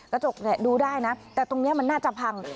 กระดูกดูได้นะแต่ตรงนี้มันน่าจะพัง